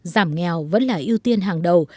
giảm nghèo vẫn là ưu tiên hàng đầu